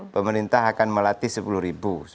pemerintah akan melatih sepuluh ribu